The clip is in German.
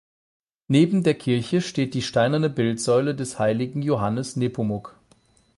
Neben der Kirche steht die steinerne Bildsäule des heiligen Johannes Nepomuk.